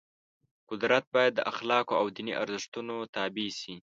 قدرت باید د اخلاقو او دیني ارزښتونو تابع شي.